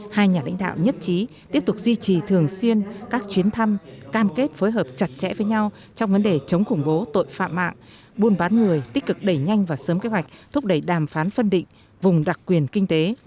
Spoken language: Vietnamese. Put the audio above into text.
hai nhà lãnh đạo nhất trí tiếp tục duy trì thường xuyên các chuyến thăm cam kết phối hợp chặt chẽ với nhau trong vấn đề chống khủng bố tội phạm mạng buôn bán người tích cực đẩy nhanh và sớm kế hoạch thúc đẩy đàm phán phân định vùng đặc quyền kinh tế